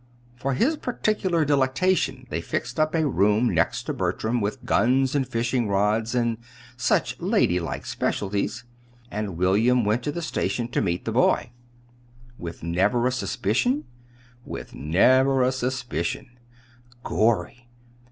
For his particular delectation they fixed up a room next to Bertram with guns and fishing rods, and such ladylike specialties; and William went to the station to meet the boy." "With never a suspicion?" "With never a suspicion." "Gorry!"